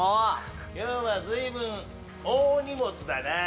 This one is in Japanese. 今日は随分大荷物だなぁ。